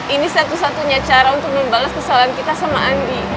ini satu satunya cara untuk membalas kesalahan kita sama andi